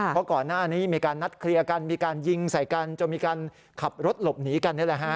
เพราะก่อนหน้านี้มีการนัดเคลียร์กันมีการยิงใส่กันจนมีการขับรถหลบหนีกันนี่แหละฮะ